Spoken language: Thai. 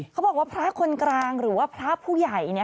เขาบอกว่าพระคนกลางหรือว่าพระผู้ใหญ่